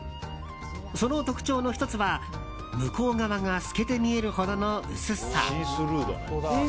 その特徴の１つは、向こう側が透けて見えるほどの薄さ。